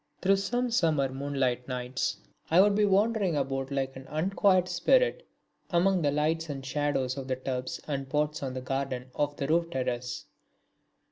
Through some summer moonlight nights I would be wandering about like an unquiet spirit among the lights and shadows of the tubs and pots on the garden of the roof terrace.